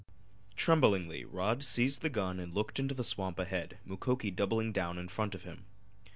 Tremblingly Rod seized the gun and looked into the swamp ahead, Mukoki doubling down in front of him.